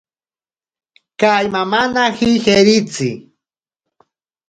Kaimamanaji jeritzi.